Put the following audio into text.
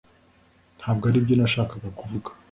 Ntabwo aribyo nashakaga kuvuga